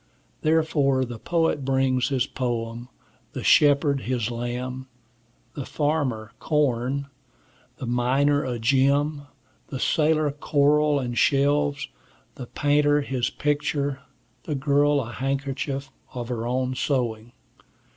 Therefore the poet brings his poem; the shepherd, his lamb; the farmer, corn; the miner, a gem; the sailor, coral and shells; the painter, his picture; the girl, a handkerchief of her own sewing.